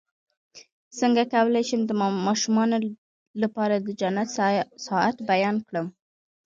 څنګه کولی شم د ماشومانو لپاره د جنت ساعت بیان کړم